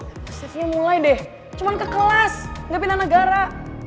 prosesnya mulai deh cuman ke kelas gak pindah negara